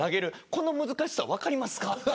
この難しさ、分かりますか。